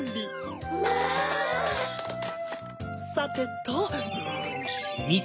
さてと。